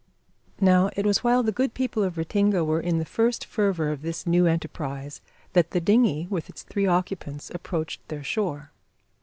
Now, it was while the good people of Ratinga were in the first fervour of this new enterprise, that the dinghy with its three occupants approached their shore.